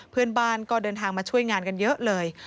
เพื่อนบ้านก็เดินทางมาช่วยงานกันเยอะเลย